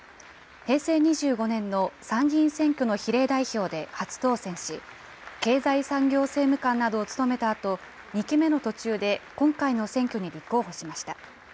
平成２５年の参議院選挙の比例代表で初当選し、経済産業政務官などを務めたあと、２期目の途中で今回の選挙に立候補しました。